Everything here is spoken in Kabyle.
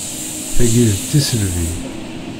Tagi d tiselbi!